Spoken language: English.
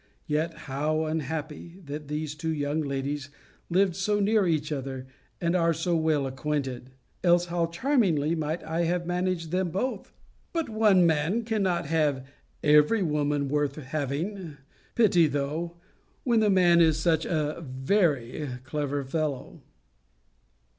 Yet how unhappy, that these two young ladies lived so near each other, and are so well acquainted! Else how charmingly might I have managed them both! But one man cannot have every woman worth having Pity though when the man is such a VERY clever fellow!